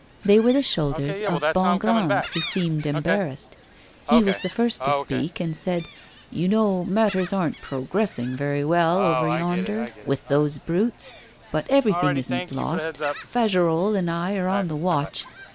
They were the shoulders of Bongrand, who seemed embarrassed. He was the first to speak, and said: 'You know matters aren't progressing very well over yonder with those brutes. But everything isn't lost. Fagerolles and I are on the watch.